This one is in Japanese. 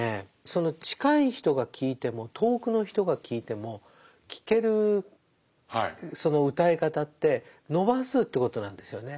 その近い人が聴いても遠くの人が聴いても聴けるその歌い方って伸ばすということなんですよね。